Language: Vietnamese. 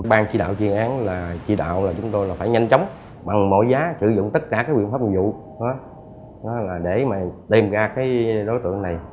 ban chỉ đạo chuyên án là chỉ đạo là chúng tôi phải nhanh chóng bằng mọi giá sử dụng tất cả các quyền pháp nguyên vụ để đem ra đối tượng này